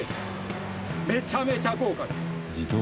めちゃめちゃ豪華です。